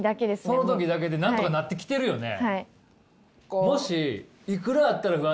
その時だけでなんとかなってきてるよね。